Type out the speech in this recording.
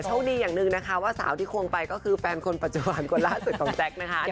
โชคดีอย่างหนึ่งนะคะว่าสาวที่ควงไปก็คือแฟนคนปัจจุบันคนล่าสุดของแจ๊คนะคะ